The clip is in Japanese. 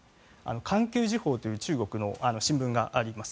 環球時報という中国の新聞があります。